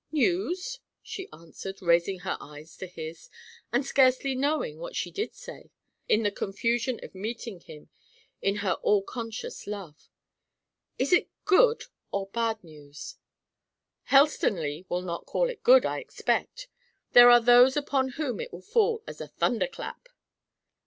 "News?" she answered, raising her eyes to his, and scarcely knowing what she did say, in the confusion of meeting him, in her all conscious love. "Is it good or bad news?" "Helstonleigh will not call it good, I expect. There are those upon whom it will fall as a thunder clap."